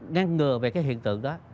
ngăn ngừa về cái hiện tượng đó